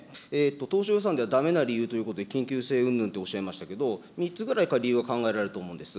当初予算ではだめな理由ということで、緊急性うんぬんとおっしゃいましたけど、３つぐらい理由が考えられると思うんです。